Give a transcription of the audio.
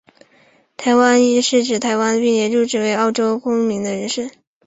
台湾裔澳洲人是指来自台湾并且入籍成为澳洲公民的人士。